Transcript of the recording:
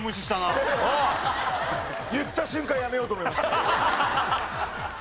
言った瞬間やめようと思いました。